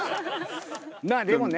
まあでもね